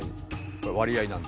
割合なんで。